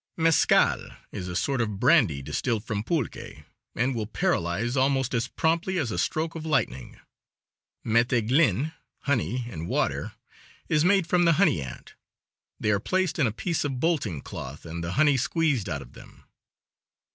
Mescal is a sort of brandy distilled from pulque, and will paralyze almost as promptly as a stroke of lightning. Metheglin honey and water is made from the honey ant; they are placed in a piece of bolting cloth and the honey squeezed out of them.